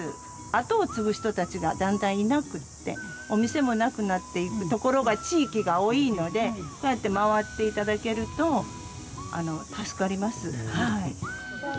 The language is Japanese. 後を継ぐ人たちがだんだんいなくってお店もなくなっていくところが地域が多いのでこうやって回って頂けると助かります。